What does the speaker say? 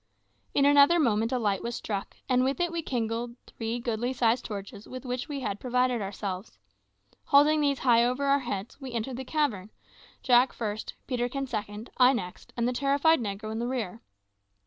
In another moment a light was struck, and with it we kindled three goodly sized torches with which we had provided ourselves. Holding these high over our heads, we entered the cavern Jack first, Peterkin second, I next, and the terrified negro in rear.